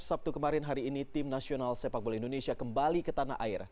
sabtu kemarin hari ini tim nasional sepak bola indonesia kembali ke tanah air